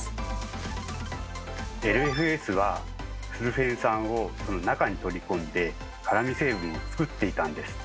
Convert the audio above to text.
ＬＦＳはスルフェン酸をその中に取り込んで辛み成分をつくっていたんです。